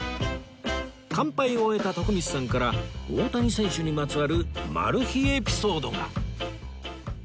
乾杯を終えた徳光さんから大谷選手にまつわるマル秘エピソードが